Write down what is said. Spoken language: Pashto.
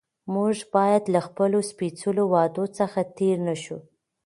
موږ باید له خپلو سپېڅلو وعدو څخه تېر نه شو